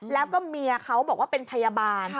แล้วก็เมียเขาบอกว่าเป็นพยาบาล